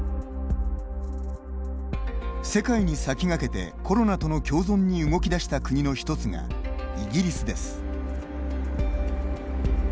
世界に先駆けてコロナとの共存に動き出した国の１つがイギリスです。